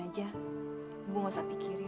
apa gimana sih y richie